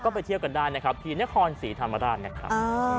ไปเที่ยวกันได้นะครับที่นครศรีธรรมราชนะครับ